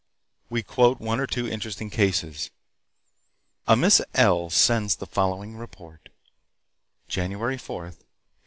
We quote one or two interesting cases. A Miss L. sends the following report: January 4, 1886.